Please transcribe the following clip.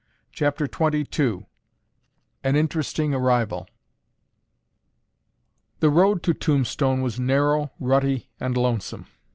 CHAPTER XXII AN INTERESTING ARRIVAL The road to Tombstone was narrow, rutty and lonesome.